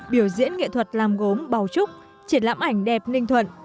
biểu diễn nghệ thuật làm gốm bào trúc triển lãm ảnh đẹp ninh thuận